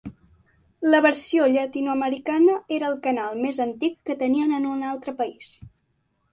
La versió llatinoamericana era el canal més antic que tenien en un altre país.